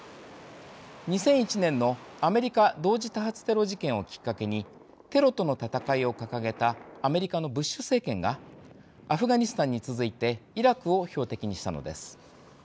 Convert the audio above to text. ２００１年のアメリカ同時多発テロ事件をきっかけにテロとの戦いを掲げたアメリカのブッシュ政権がアフガニスタンに続いてイラクを標的にしたのです。